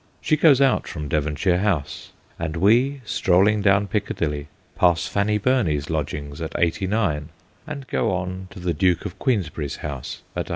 She goes out from Devonshire House ; and we, strolling down Piccadilly, pass Fanny Burney's lodgings at 89, and go on to the Duke of Queensberry's house at 138.